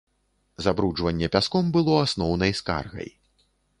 Забруджванне пяском было асноўнай скаргай.